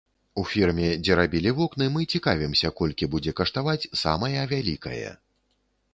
У фірме, дзе рабілі вокны, мы цікавімся, колькі будзе каштаваць самая вялікае.